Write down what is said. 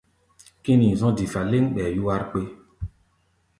Kínii zɔ̧́ difa lɛ́ŋ, ɓɛɛ yúwár kpé.